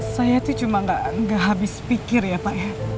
saya tuh cuma gak habis pikir ya pak ya